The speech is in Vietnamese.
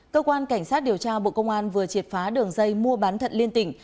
cơ quan cảnh sát điều tra bộ công an vừa triệt phá đường dây mua bán thận liên tỉnh